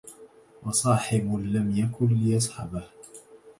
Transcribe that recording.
وصاحب لم يكن ليصحبه